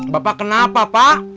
bapak kenapa pak